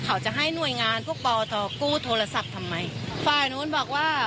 เขาจะให้หน่วยงานพวกปอทอกู้โทรศัพท์ทำไมฝ่ายนู้นบอกว่า